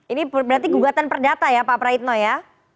ini berarti gugatan perdata ya pak praitno ya